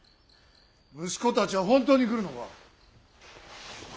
息子たちは本当に来るのか。